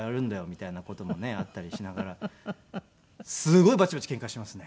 みたいな事もねあったりしながらすごいバチバチケンカしていますね。